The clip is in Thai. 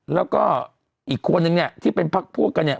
แล้วก็อีกคนนึงเนี่ยที่เป็นพักพวกกันเนี่ย